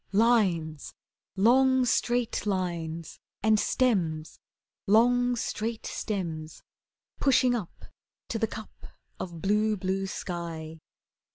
Lines long, straight lines! And stems, Long, straight stems Pushing up To the cup of blue, blue sky.